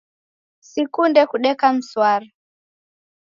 Sikunde kudeka mswara